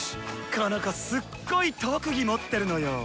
この子すっごい特技持ってるのよ。